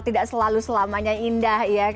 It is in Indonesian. tidak selalu selamanya indah ya